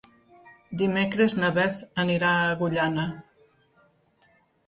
Dimecres na Beth anirà a Agullana.